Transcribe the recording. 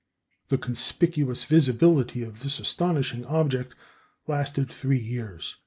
The conspicuous visibility of this astonishing object lasted three years.